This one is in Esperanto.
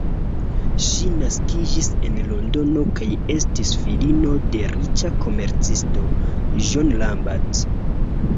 Ŝi naskiĝis en Londono kaj estis filino de riĉa komercisto, John Lambert.